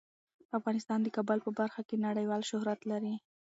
افغانستان د کابل په برخه کې نړیوال شهرت لري.